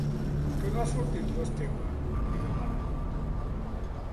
Que no ha sortit, l'Esteve? —li demanen.